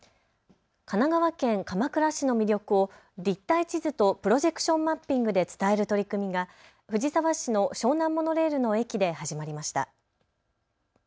神奈川県鎌倉市の魅力を立体地図とプロジェクションマッピングで伝える取り組みが藤沢市の湘南モノレールの駅で始まりました。